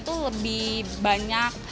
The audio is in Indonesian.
tuh lebih banyak